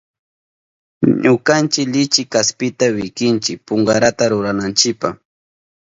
Ñukanchi lichi kaspita wikinchi punkarata rurananchipa.